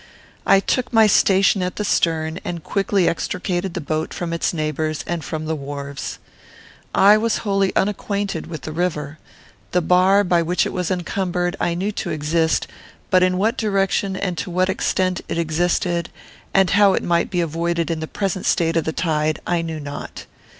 I took my station at the stern, and quickly extricated the boat from its neighbours and from the wharves. I was wholly unacquainted with the river. The bar by which it was encumbered I knew to exist, but in what direction and to what extent it existed, and how it might be avoided in the present state of the tide, I knew not.